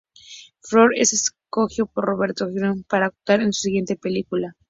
Ford es escogido por Robert Zemeckis para actuar en su siguiente película.